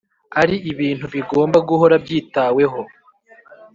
Ari ibintu bigomba guhora byitaweho